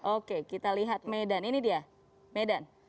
oke kita lihat medan ini dia medan